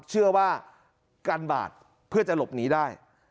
เชื่อว่ากันบาดเพื่อจะหลบหนีได้